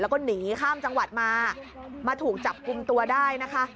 แล้วก็หนีข้ามจังหวัดมามาถูกจับกลุ่มตัวได้นะคะ